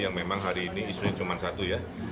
yang memang hari ini isunya cuma satu ya